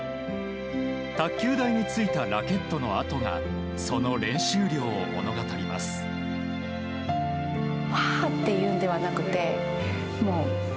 卓球台についたラケットの跡がその練習量を物語ります。